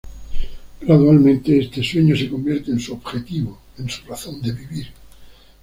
Gradualmente este sueño se convierte en su objetivo, en su razón de vivir.